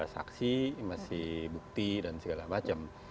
saksi masih bukti dan segala macam